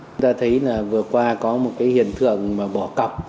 chúng ta thấy là vừa qua có một cái hiện tượng mà bỏ cọc